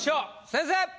先生！